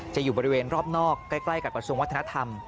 อยู่บริเวณรอบนอกใกล้กับกระทรวงวัฒนธรรม